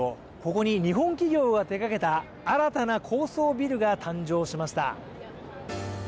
ここに日本企業が手がけた新たな高層ビルが誕生しました。